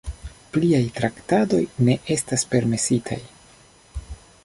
Pliaj traktadoj ne estas permesitaj.